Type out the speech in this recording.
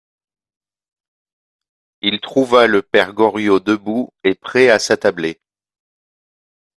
Il trouva le père Goriot debout et prêt à s'attabler.